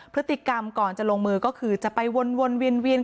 พฤติกรรมก่อนจะลงมือก็คือจะไปวนเวียน